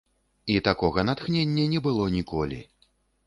І такога натхнення не было ніколі.